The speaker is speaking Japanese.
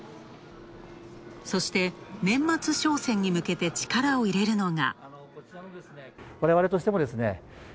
そして、年末商戦に向けて、力を入れるのが。